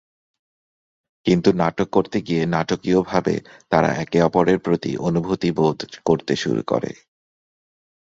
কিন্তু নাটক করতে গিয়ে নাটকীয়ভাবে তারা একে অপরের প্রতি অনুভূতি বোধ করতে শুরু করে।